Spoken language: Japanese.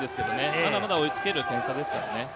まだまだ追いつける点差ですね。